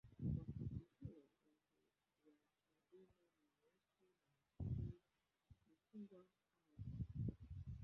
Wakati huo rangi za madume ni nyeusi na nyekundu, machungwa au njano.